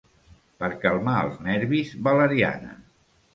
Per calmar els nervis, valeriana.